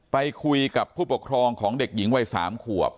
ไปคุยกับผู้ปกครองของเด็กหญิงวัย๓ขวบ